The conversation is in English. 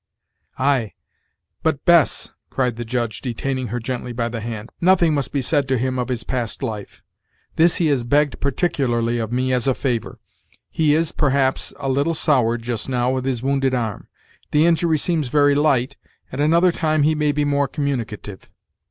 "Ay! but, Bess," cried the judge, detaining her gently by the hand, "nothing must be said to him of his past life. This he has begged particularly of me, as a favor, He is, perhaps, a little soured, just now, with his wounded arm; the injury seems very light, and another time he may be more communicative."